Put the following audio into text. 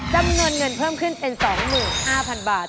จำนวนเงินเพิ่มขึ้นเป็น๒๕๐๐๐บาท